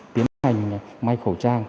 tiến hành may khẩu trang